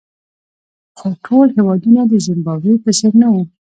خو ټول هېوادونه د زیمبابوې په څېر نه وو.